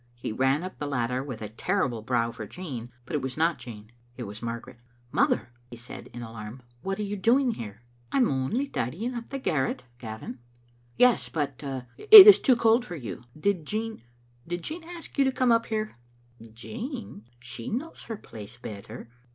He ran up the ladder with a terrible brow for Jean, but it was not Jean ; it was Margaret. "Mother," he said in alarm, "what are you doing here?" " I am only tidying up the garret, Gavin." "Yes, but — it is too cold for you. Did Jean — did Jean ask you to come up here?" "Jean? She knows her place better."